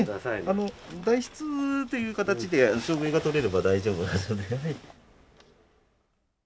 あの代筆という形で証明が取れれば大丈夫ですので。